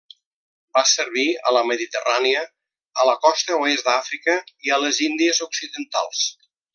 Va servir a la Mediterrània, a la costa oest d'Àfrica i a les Índies Occidentals.